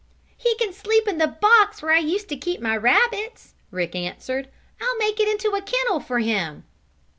"He can sleep in the box where I used to keep my rabbits," Rick answered. "I'll make it into a kennel for him."